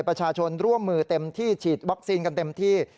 ประชาชนร่วมมือเต็มที่ฉีดวัคซีนกันเต็มที่